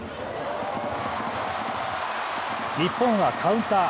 日本はカウンター。